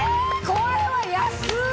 これは安い！